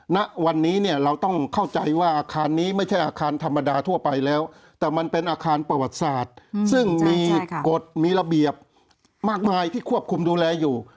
ณวันนี้เนี่ยเราต้องเข้าใจว่าอาคารนี้ไม่ใช่อาคารธรรมดาทั่วไปแล้วแต่มันเป็นอาคารประวัติศาสตร์ซึ่งมีกฎมีระเบียบมากมายที่ควบคุมดูแลอยู่